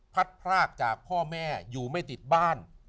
พรากจากพ่อแม่อยู่ไม่ติดบ้าน